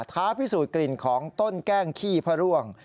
ท้าพิสูจนกลิ่นของต้นแกล้งขี้พระร่วง